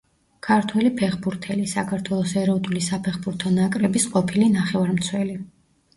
ქართველი ფეხბურთელი, საქართველოს ეროვნული საფეხბურთო ნაკრების ყოფილი ნახევარმცველი.